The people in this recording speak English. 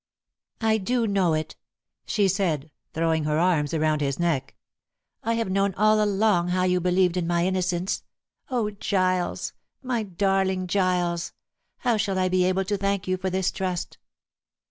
"I do know it," she said, throwing her arms round his neck. "I have known all along how you believed in my innocence. Oh, Giles, my darling Giles, how shall I be able to thank you for this trust?"